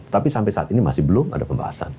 tapi sampai saat ini masih belum ada pembahasan